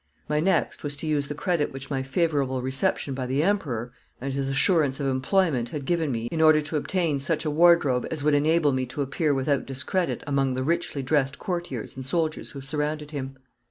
My next was to use the credit which my favourable reception by the Emperor and his assurance of employment had given me in order to obtain such a wardrobe as would enable me to appear without discredit among the richly dressed courtiers and soldiers who surrounded him.